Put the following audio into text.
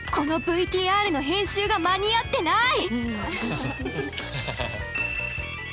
このＶＴＲの編集が間に合ってない！